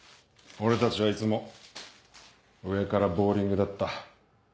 俺たちはいつも上からボウリングだった。